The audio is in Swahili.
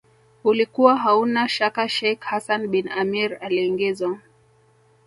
ulikuwa hauna shaka Sheikh Hassan bin Amir aliingizwa